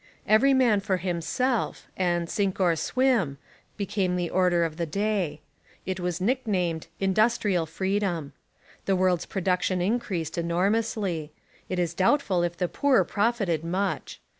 Every man for himself, and sink or swim, became the order of the day. It was nicknamed "industrial freedom." The world's production increased enormously. It is doubtful if the poor profited much.